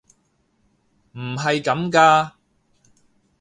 唔係咁㗎！